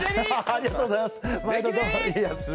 ありがとうございます。